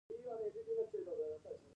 که هډوکي نه وی نو څه به پیښیدل